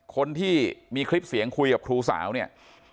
คนที่มีคลิปเสียงคุยกับครูสาวเนี่ย